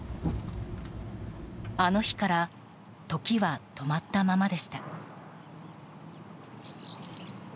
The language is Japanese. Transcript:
あの日から時は止まったままでした。